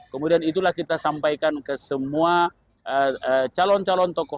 kemudian itulah kita sampaikan ke semua calon calon tokoh